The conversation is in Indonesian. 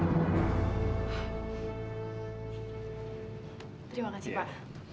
terima kasih pak